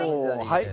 はい。